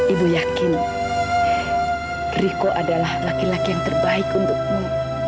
ibu yakin riko adalah laki laki yang terbaik untukmu